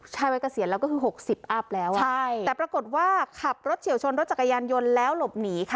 วัยเกษียณแล้วก็คือหกสิบอัพแล้วอ่ะใช่แต่ปรากฏว่าขับรถเฉียวชนรถจักรยานยนต์แล้วหลบหนีค่ะ